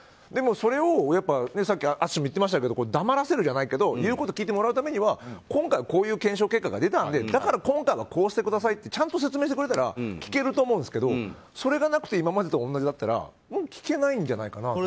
でも、それをさっき淳も言ってましたけど黙らせるじゃないけということを聞いてもらうためには今回こういう検証結果が出たのでだから今回はこうしてくださいってちゃんと説明をしてくれたら聞けると思うんですけどそれがなくて今までと同じなら聞けないんじゃないかな。